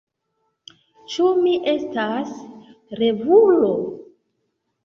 Ĉu mi estas revulo?